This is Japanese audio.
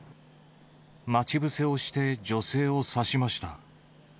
待ち伏せをして女性を刺しました。